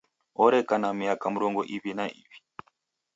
Oreka na miaka mrongo iw'I na iw'i.